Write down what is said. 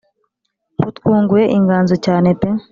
butwunguye inganzo cyane pe